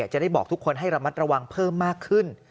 จะได้บอกทุกคนให้ระมัดระวังเพิ่มมากขึ้น